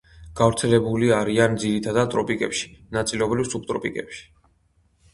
გავრცელებული არიან ძირითადად ტროპიკებში, ნაწილობრივ სუბტროპიკებში.